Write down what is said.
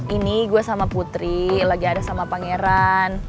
ini gue sama putri lagi ada sama pangeran